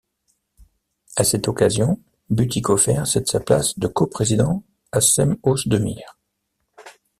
À cette occasion, Bütikofer cède sa place de coprésident à Cem Özdemir.